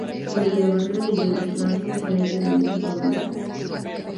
Sobre la barrera de hielo Larsen se halla la isla Robertson.